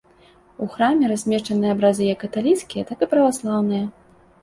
У храме размешчаны абразы як каталіцкія, так і праваслаўныя.